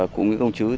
của nguyễn công chứ